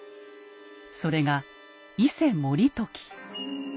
それが伊勢盛時。